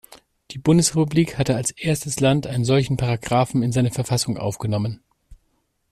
Die Bundesrepublik hatte als erstes Land einen solchen Paragraphen in seine Verfassung aufgenommen.